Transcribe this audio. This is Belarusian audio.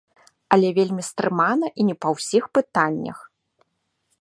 Але вельмі стрыманы і не па ўсіх пытаннях.